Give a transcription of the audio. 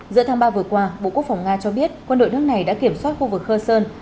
giữa tháng ba vừa qua bộ quốc phòng nga cho biết quân đội nước này đã kiểm soát khu vực khơ sơn